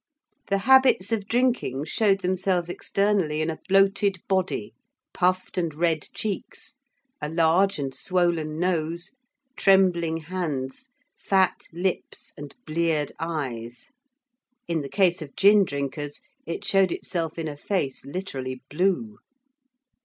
The habits of drinking showed themselves externally in a bloated body; puffed and red cheeks; a large and swollen nose; trembling hands; fat lips and bleared eyes: in the case of gin drinkers it showed itself in a face literally blue.